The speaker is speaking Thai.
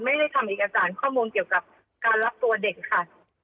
ไม่ได้ทำเอกสารข้อมูลเกี่ยวกับการรับตัวเด็กค่ะ